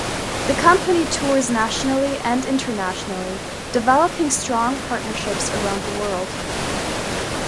The company tours nationally and internationally, developing strong partnerships around the world.